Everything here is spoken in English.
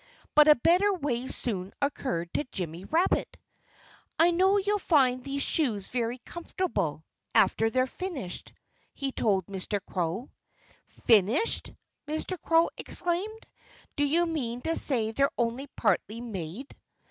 But a better way soon occurred to Jimmy Rabbit. "I know you'll find these shoes very comfortable after they're finished," he told Mr. Crow. "Finished!" Mr. Crow exclaimed. "Do you mean to say they're only partly made?"